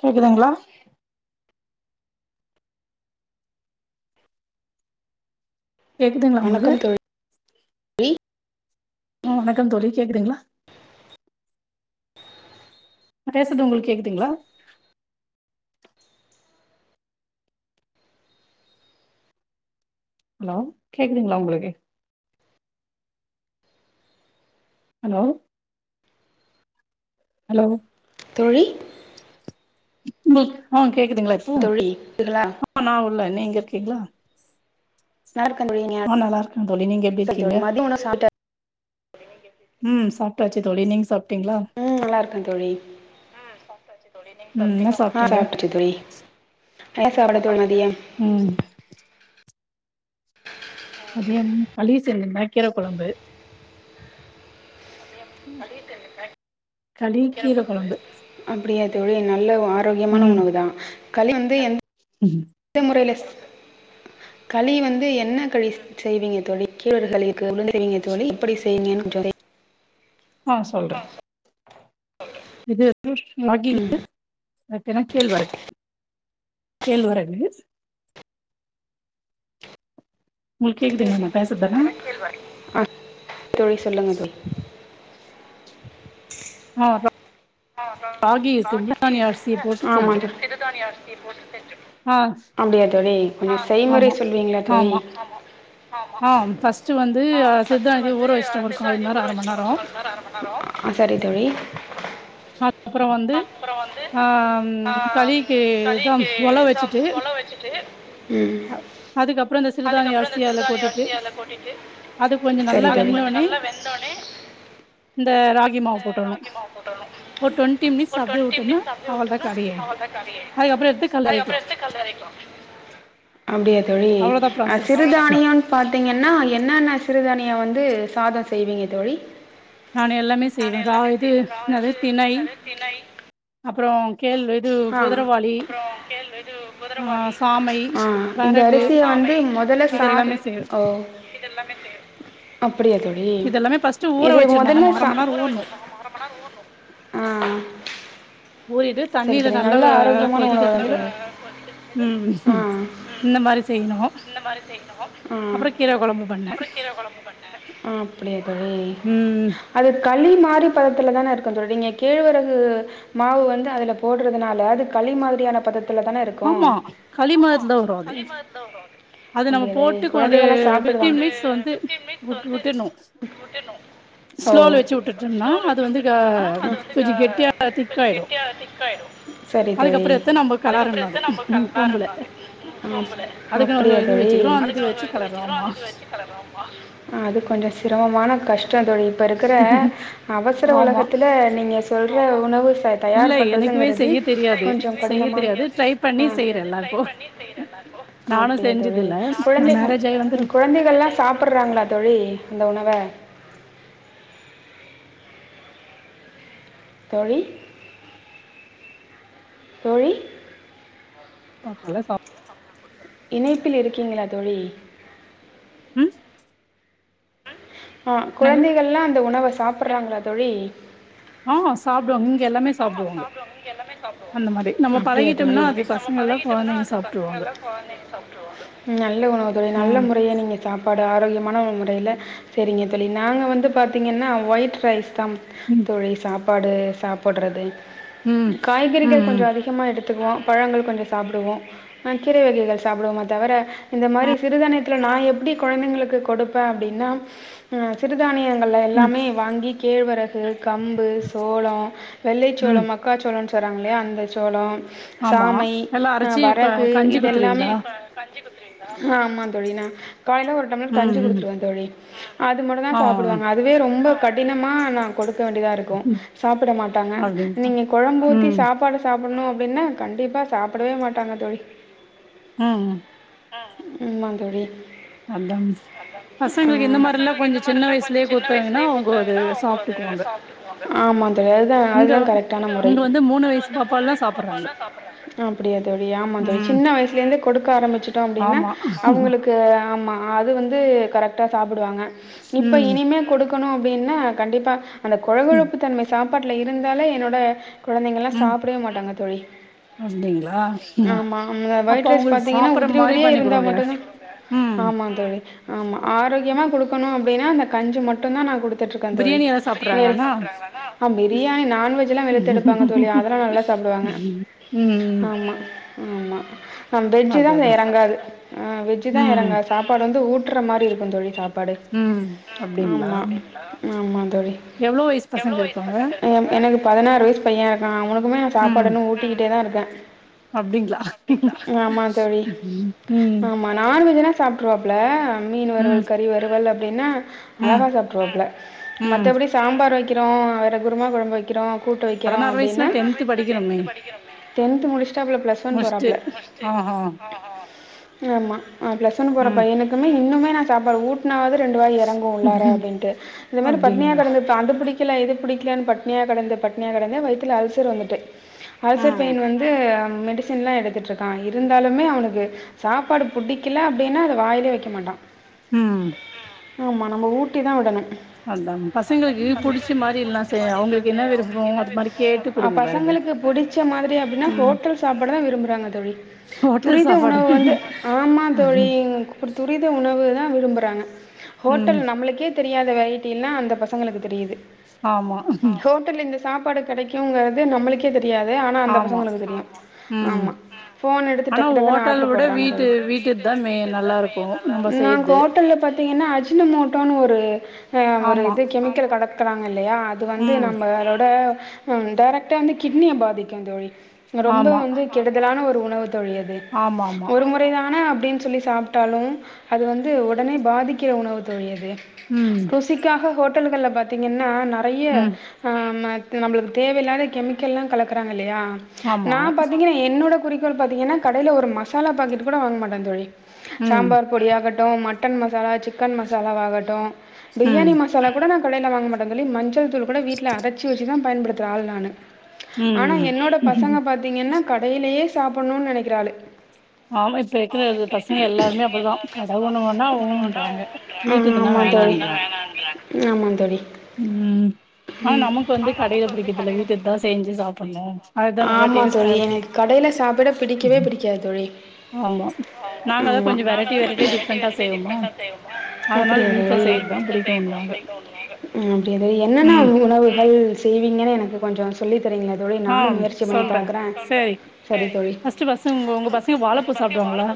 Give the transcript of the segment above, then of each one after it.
கேக்குதுங்களா கேக்குதுங்களா உங்களுகு வணக்கம் தோழி ம் வணக்கம் தோழி கேக்குதுங்ளா நா பேசது உங்களுக் கேக்குதுங்ளா ஹலோ கேக்குதுங்ளா உங்களுக்கு ஹலோ ஹலோ தோழி [unintelligible] கேக்குதுங்ளா இப்போ தோழி இருக்கீங்களா [unintelligible] நா இல்ல நீங்க இருக்கிங்ளா நல்லா இருக்கேன் தோழி நீங்க ஆ நல்லாருக்க தோழி நீங்க எப்டி சரி இருக்கீங்க தோழி மதிய உணவு சாப்பிட்ட ம் சாப்டாச்சு தோழி நீங்க சாப் ம் நல்லாருக்கே தோழி ம் என்ன ஆ சாப்ட்டீங்க சாப்ட்டுட்ட தோழி என்ன சாப்பாடு தோழி ம ம் மதியானம் களி செஞ்சிந்த கீர கொழம்பு களி கீர கொழம்பு அப்டியா தோழி எ ந ல்ல ஆரோக்கியமான ம் உணவு தா களி ம் எந்த முறைல களி வந்து என்ன களி செய்வீங்க தோழி கேவரு களி இருக்கு [unintelligible] செய்வீங்க தோழி எப்படி செய்வீங்கன் [unintelligible] ஆ சொல்றெ இது ம் [unintelligible] அது பேர்ன கேழ்வரகு கேழ்வரகு உங்களுக்கு கேக்குதுங்களா நா பேசுறது எல்லா அ தோழி சொல்லுங்க தோழி ஆ ராகி இருக்குங்களா சானியா அரிசிய போட்டு செஞ்சோ ஆமாஞ்சொ ஆ ழி கொஞ்ச செய்முறை ஆமா சொல்வீங்ளா தோழி ஆமா ஆ ஃபர்ஸ்ட் வந்து அ சிறுதானியத்த ஊற வச்சுட்டோ ஒரு கால் மண் நேரோ அர மண் நேரோ சரி தோழி அப்பற வந்து ஆ ம் களிக்கு இத ஒல வச்சுட்டு ம் அ அதுக்கப்ற இந்த சிறுதானிய அரிசிய அல கொட்டிட்டு அது கொஞ்ச சரி நல்லா அது தோழி வெந்தோனே இந்த ராகி மாவு போட்டர்னு ஒ ட்வெண்ட்டி மினிஸ் அப்டியே விட்டொன்னா அவள்தா கத ஆயிட்து அதுக்கப்பற எத்து களரிக்லா அப்டியா தோழி அ சிறுதானியொன் பாத்தீங்கன்னா என்னன்ன சிறுதானிய வந் து சாத செய்வீங்க தோழி நானு எல்லாமே செய்வே ரா இது என்னது அது தினை அப்றோ ஆஹ அப்ரோ கேழ்வறகு ஆ குதுறாவளி சாமை இந்த வரகு அரிசி வந்து முதல இதெல்லாமே செய்வே சாப்பட இத எல்லாமே ஃபஸ்ட்டு ஊற வச்சுன்ன ஆமா அர மண் நேர ஊறனும் பருப்பு, ஆ ஊறிட்டு சரி தண்ணியல தோழி நல்லா நல்ல ஆ ஆரோக்கியமான கொதிக்கர உணவுதா தண்ணியல தோழி கொ- ம் இது இந்த மாரி செய்யணும் பண்ணே அப்புற கீர கொழம்பு பண்னே அப்டியா தோழி ம் அது களி மாரி பதத்துல தான இருக்கணு தோழி கேழ்வரகு மாவு வந்து அதுல போட்றதுனால அது களி மாரியான பதத் அப்டிதானே இருக்கோ ஆமா களி ஆமா மாரிதா வரு அது களி மாறிததா வரு அது நம்ம போட்டு ஒரு ஃபிப்டின் மினிட்ஸ் வந்து வுட்டுணம் ஸ்லோல ஓ வச்சு வுட்டுட்டோம்னா அது வந்து ஆ கொஞ்ச கெட்டியா திக்க ஆயிடும் சரி தோழி அதுக்கப்புறம் எத்து நம்ப கலரனும் ம் பொம்பள [inaudible] அப்டிய தோழி வச்சு கெளர்றோ ஆமா அது கொஞ்சம் சிரமமான கஷ்ட பே தோழி இப்ப இருக்கற அவசர ஆமா உலகத்துல நீங்க சொல் ஏ உணவு ச இல்ல தயார் எனக்குமே பண்ணுறதுங்கிறது செய்ய தெரியாது கொஞ்சம் செய்ய கடினமான தெரியாது ட்ரை பண்ணி ஆ, செய்யறேன்ல்லா இப்போ நானும் அப்படியா தோழி குழந்தைகள் குழந்தைகள்லாம் சாப்டுறாங்களா தோழி அந்த உணவ தோழி தோழி கால்ல சாப் இணைப்பில இருக்கீங்களா தோழி ம் ம் ஆ என்னங்க குழந்தைகள்லா அந்த உணவ ச சாப்பறாங்களா தோழி ஆ சாப்டுவாங்க இங்க எல்லாமே சாப்டுவாங்க எல்லாமே சாப்டுவாங்க அந்த மாரி நம்ம அப்டியா தோழி பழகிட்டோம்னா அந்த அது மாரி நம்ப பசங்கல்லா பழகிடோம் நா கொழந்தைங்க அது சாப்ட்ருவாங்க பங்களா கொழதங்கலா சப்ட்ருவாங்க நல்ல உணவு தோழி நல்ல ம் முரய நீங்க சாப் பாடு ஆரோக்கியமான முறையல செய்ரிங்க தோழி நாங்க வந்து பாத்தீங்கன்னா ஒயிட் ரைஸ் தம் ம் தோழி சாப் ப்பாடு சாப்படுறது ம் ம் காய்கறிகள் ம் கொஞ்சம் அதிகமா எடுத்துக்குவோம் பழங்கள் கொஞ்சம் சாப்டுவோம் அ கீரை வகைகள் சாப்டுவோம தவர இந்த மாரி ம் சிறுதானி இல்ல நா எப்டி கொழந்தைங்களுக்கு கொடுப்பேன் அப்டின்னா ம் சிறுதானிய ல ம் எல்லாமே வாங்கி கேழ்வரகு கம்பு சோளோ வெள்ளைச் சோலோ ம் மக்கா சோளோன்ச் சொறாங்கே அந்த சோளோ ஆமா சாமை எல்லா ஆ அரச்சி இப்ப வரகு கஞ்சி இதெல்லாமே குத்துருவீங்களா ஆமா தோழி நா காலேல ஒரு டம்ளர் ம் கஞ்சி ம் குடுத்துருவவே தோழி அது மட்டு தா ஆ சாப்பிடுவாங்க அதுவே ரொம்ப கடினமா நா குடு க்க வேண்டியிதா இருக்கு ம். சாப்பிட மாட்டாங்க அப்டிங்களா நீங்க கொழம்பு ஊத்தி ம் சாப்பாடு சாப் உன்ணு அப்டின்னா கண்டிப்பா சாப்பிடவே மாட்டாங்க தோழி ம் ம் உ ஆமா தோழி அதா ஆ பசங்களுக்கு இந்த மாரில்லா கொஞ்சோ சின்ன வயசுலயே குடுத்தாங்கன்னா அவங்க அது சாப்ட்டுக்குவாங்க ஆமா தோழி அதுதா இங்க அதுதா கரெக் இங்க வந்து மூணு வயசு பாப்பால்லா சாப்டுறாங்க உ துகொடுக்க ஆரம்பி வச்சட்டோ அப்டினா அவங்களுக்கு ஆமா அது வந்து கரெக்டா சாப் புடுவாங்க இப்ப ம் இனிமே கொடுக் கனு அப்டினா கண்டிப்பா அந்த ம் கொழகொழப்பு தன்மை சாப் பாட்ல இருந்தாலே என்னோட அ கொழந்தைங்கல்லா ம் சாப்பிடவே மாட்டாங்க தோழி அப்டிங்களா ம் ஆமா அவ்ங்க அப்ப ஒயிட் ரைஸ் அவங்களுக்கு பாத்தீங்கன்னா சாப்புட்ற உதிரி மாரி உதிரியே பண்ணி இருந்தா குடுங்க மட்டு ம் ஆமா தோழி ஆமா ஆரோக்கியமா குடுக்கணு அ வேனா அந்த கஞ்சி மட்டுந்தா நா குடுத் துட்ருக்கே தோழி பிரியாணி எல்லா சாப்புட்றாங்களாண்ணா ஆ பிரியாணி நான்வெஜ் உ உ ஆமா உ ஆமா ஆ வெஜ்ஜி தா எறங்காது ஆ வெஜ்ஜி தா ம் எறங்காது சாப்பாடு வந்து ஊட் ட்ர மாரி இருக்கு தோளி சாப் பாடு ம் அப்டிங்களா ஆமா ஆமா தோளி எவ்ளோ வயசு பசங்க இருக்காங்க ஆ எனக்கு பதினாறு வயசு பையே இருக்கா அவனுக் குமே நா ம் சாப்பாடு இன்னு ஊட்டிக்கிட்டே தா இருக்கே ஆ அப்டிங்களா தோழி உ ஆமா நான்வெஜ்னா சாப்ட்ருவாப்ல மீன் வரவல் கறி வறுவல் அப் டினா ம் அழகா சாப்ட்ருவாப்ல ம் மத்தபடி சாம்பார் வக் கிறோ அவர குருமா கொழம்பு வக் கிரோ பதினாறு வயசுனா டென்து படிக்கனுமே டென்த் முடிச்சுட்டாப்ல ப்ளஸ் ஒன் முடிச்ட்டு போறாப்ல ஆஹா ஆமா அ பிளஸ் ஒன் போற பையனுக்குனு இன்னமு நா சாப்பாட ஊட்னாவாது ரெண்டு வாய் எறங்கு உள்ளார ம் அப்டின்ட்டு இந்த மாரி பட்னயா அப்டிங்களா கெடந்து அண்டபிடிக்கு கல இது பிடிக்கலனு பட் பட்டினியா கெடந்து பட்டினியா கெடந்து வயத்துல அல்சர் வந்துட்டு அல்சர் ம் பெயின் வந்து ஆ மெடிசின்லா எடுத்துட்டு இருக்கா இருந்தாலுமே அவனுக்கு சாப்பாடு பிடிக்கல அப்டினா அத வாயிலே வக்க மாட்டா உ ஆமா நம்ம ஊட்டி தா வுடணு அதா பசங்களுக்கு புடிச்சு மாரி இல்லா செய் அவுங்களுக் பசங்களுக்கு புடிச்ச மாதிரி அப்டினா ம் ஹோட்டல் சாப்பாடு தா விரும்புறாங்க தோழி ஹோட்டல் துரித சாப்பாடு உணவு வந்து ஆமா தோழி துரித உணவு தா விரும்புறாங்க ம் ஹோட்டல் நம்மளுக்கே தெரியாத வெரைட்டி எல்லா அந்த பசங்களுக்கு தெரியுது ஆமா ஹோட்டல இந்த சாப்பாடு கெடைக்குங்கிறது நம்மளுக்கே தெரி யாது ஆன அந்த ஆமா பசங்களுக்கு தெரியு ம் ஆமா ஃபோன் எடுத்து ஆனா டக்கு டக்குனு ஹோட்டல் ஆடர் விட போடுறாங்க வீட்டு தோழி வீட்டுது தா மே நல்லா இருக்கு நம்ம செய்யறது ஹோட்டல்ல பாத்தீங்கனா அஜினமோட்டோனு ஒரு ஆ ஒரு ஆமா இது கெமிக்கல் கலக் குராங்க இல்லயா அது வந்து ம் நம்ம அதோட ஆ டேரக்டா வந்து கிட்னிய பாதிக்கு தோழி ரொம்ப ஆமா வந்து கெடுதலான ஒரு உணவு தோழியது ஆமா ஆமா ஒரு முறைதான அப்டின் னு சொல்லி சாப்ட்டாலு அது வந்து ஒடனே பாதிக்கிற உணவு தோழி அது ம் ருசிக்காக ஹோட் டல்கள்ள பாத்தீங்கன்னா பைய ம் ஆம்மா நம்மளுக்கு தேவையில்லாத கெமிக்கல்லா கலக்குறாங்க இல்லயா ஆமா நா பாத்தீங்கனா என்னோட குறிக்கோள் பாத்தீங்கன்னா கடைல ஒரு மசாலா பாக்கெட் கூட வாங்க மாட்டே தோழி ம் சாம்பார் பொடி ஆகட்டு mutton masala chicken masala வாகட்டு ம் பிரியாணி மசாலா கூட நா கடைல வாங்க மாட் அதுமேரி மஞ் த்தூள் கூட வீட்ல அரைச்சு வச்சுதா பயன்படுத்துற ஆளு நானு ம் ஆனா ம் என்னோட பசங்க பாத்தீங்கன்னா கடைலயே சாப்புன்ணுனு நெனக்கிற ஆளு ஆமா இப்ப இருக்ற பசங்க எல்லாருமே அப்டித்தா கட ஒன்னு வேனா ஊன்றாங்க வீட்டுக்குனா ஆமா தோழி வேணான்றாங்க ஆமா தோழி உ ஆனா நமக்கு வந்து கடையில பிடிக்கர்தில்ல வீட்டுக்தா செஞ்சு சாப்பின்ணு அதுதா நல்லா ஆமா டேஸ்ட்டா தோழி இருக்கு எனக்கு கடையில சாப்பிட பிடிக்கவே பிடிக்காது ஆமா ஆமா நாங்க அதா கொஞ்சோ வெரைட்டி வெரைட்டியா அப்படியா டிஃப்ரெண்டா செய்வோமா அதனால வீட்ல தோழி செய்யறதுதா பிடிக்குன்னுவாங்க உ அப்டியா தோழி என்னென்னா ம் உணவுகள் செய்வீங்கன்னு எனக்கு கொஞ்சோ சொல்லி தரிங்களா தோழி ஆ நானு முயற்சி பண்ணி சொல்றே பாக்குறே சரி செரி தோழி ஃபர்ஸ்ட்டு பசங்க உங்க உங்க பசங்க வாழப்பூ சாப்டுவாங்களா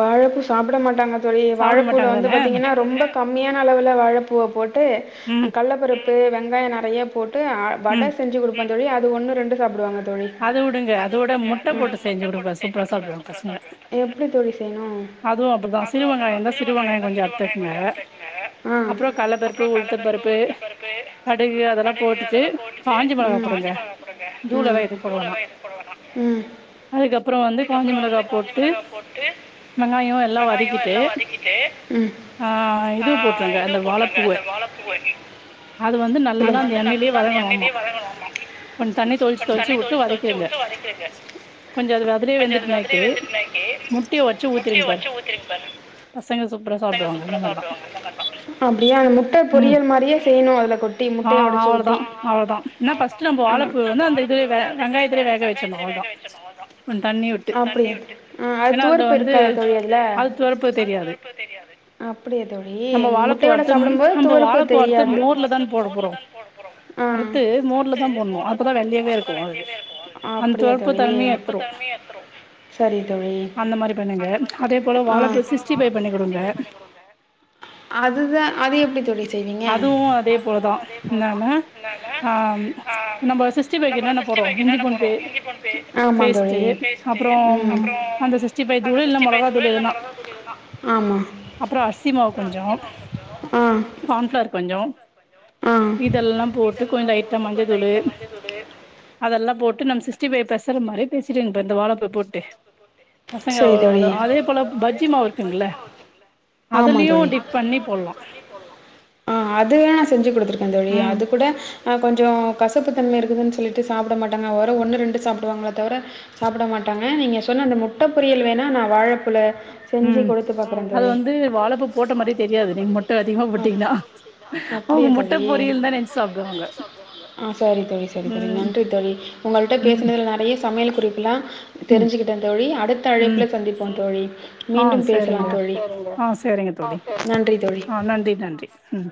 வாழைப்பூ சாப்பிட மாட்டாங்க தோழி சாப்ட வாழைப்பூல மாட்டாங்க வந்து தானே பாத்தீங்கன்னா ரொம்ப கம்மியான அளவுல வாழைப்பூவ போட்டு ஆ ம் கள்ளபருப் பு வெங்காயோ நிறையா போட் டு வட ம் செஞ்சு கொடுப்பே தோழி அது ஒன்னு ரெண்டு சாப்பிடுவாங்க தோழி அத வுடுங்க அதோட முட்ட போட்டு செஞ்சு குடுங்க சூப்பரா சாப்டுவாங்க பசங்க எப்டி தோழி செய்னு அதுவு அப்டிதா சிறு வெங்காயோ இருந்தா சிறு வெங்காயோ கொஞ்சோ அறுத்துக்குங்க அப்றோ கடலப்பருப்பு உளுத்தம் உ பருப்பு உ கடுகு அதெல்லா போட்டுட்டு காஞ்ச மொளகா போடுங்க தூளெல்லா எதுவு போட வேணா அதுக்கப்புறோ வந்து காஞ்ச மிளகா போட்டு வெங்காயோ எல்லா வதக்கிட்டு ஆ இது போட்ருங்க அந்த வாழப்பூவ உ உ அது வந்து நல்லா அந்த எண்ணெய்லயே வதங்கணு ஆம்மா கொஞ்சோ தண்ணி தொளிச்சு தொளிச்சி விட் அப்டியா அது அதுலயே வெந்துட்டுனாக்கி முட்டைய ஒடச்சு ஊத்திருங்க பாரு பசங்க சூப்பரா சாப்டுவாங்க அந்த அவ்ங்க உ ஆ உடச்சி அவ்ளதா ஊற்றி அவ்ளதா ஏனா ப்ஸ்ட்டு நம்ம வாழைப்பூ வந்து அந்த இதுலே வேக வெங்காயத்துலே வேக வச்சிருணு அவளதா கொஞ்ச தண்ணி விட்டு அப்படியா ஆ அது ஏன்னா அதுல துவர்ப்பு வந்து இருக்காது தோழி அதில் அது துவரப்பு தெரியாது அப்படியா தோழி நம்ம வாழைப்பூ முட்டையோட வார்து சாப்பிடும்போது இந்த துவர்ப்பு வாழப்பூ அறுத்து தெரியாது மோர்லதான் போடப் போறோ. அறுத்து மோர்லதா போடனு அப்பதா வெள்ளையாவே இருக்கு அது. ஆ அந்த அப்படியா துவர்ப்பு தோழி தன்மைய எட்த்துரு. சரி தோழி அந்த மாரி பண்ணுங்க. அதே போல வாழப்பூ சிக்ஸ்டி ஃபைவ் பண்ணி குடுங்க. அதுதான் அது எப்டி தோழி செய்வீங்க? அதுவு அதே போலதா என்னன்னா ஆ நம்ப சிக்ஸ்டி ஃபைவ் க்கு என்னென்ன போடுறோ இஞ்சி பூண்டு பே ஆமா தோழி பேஸ்ட்டு அப்புறம் அந்த சிக்ஸ்டி ஃபைவ் தூளு இல்ல மொளகா தூள் எதுனா ம் ஆமா அப்புறோ அரிசி கொஞ்சோ ஆ கார்ன்ஃப்ளவர் கொஞ்சோ ஆ இதெல்லாம் போட்டு கொஞ்ச லைட்டா மஞ்சத் தூளு எல்லா போட்டு நம் சி சிக்ஸ்டி ஃபைவ் பெசர்ற மாரி பெசிருங்க இப்ப இந்த வாழைப்பூவ போட்டு பசங்க சரி ஓ தோழி. அதா அதே போல பஜ்ஜி மாவு இருக்குங்கல்ல ஆமா அதுலயு தோழி. டிப் பண்ணி போட்லா ஆ அதுவே ம் ஆ கொஞ்சோ கசப்பு தன்ம இருக்குதுன்னு சொல்லிட்டு சாப்பிட மாட்டாங்க. ஒரு ஒன்னு ரெண்டு சாப்டுவாங்களே தவிர சாப்பட மாட்டாங்க நீங்க சொன்ன அந்த மு ட்ட பொரியல் வேண்ணா நா வாழப்பூல செஞ்சு ம் கொடுத்து பாக்குறே அது தோழி. வந்து வாழப்பூ போட்ட மாரியே தெரியாது நீங்க மொட்ட அதிகமா ம் ம் போட்டீங்கன்னா அவங்க அப்டியா மொட்ட தோழி பொரியல் தா நெனச்சு சாப்டுவாங்க ஆ சேரி தோழி செரி தோழி ம் நன்றி தோழி உங்கள்ட்ட ம் பேசுனதுல நெறைய சமையல் குறிப்பு எல்லா ம் தெரிஞ்சுக்கிட்டே தோழி அ டுத்த ம் அழைப்புல சந்திப்போ தோழி ஆ மீண்டும் பேசலா சரிங்க தோழி ஆ சரிங்க தோழி நன்றி தோழி. ஆ நன்றி நன்றி ம்